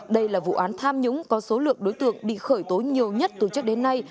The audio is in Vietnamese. đây là vụ án tham nhúng có số lượng đối tượng bị khởi tố nhiều nhất tổ chức đến nay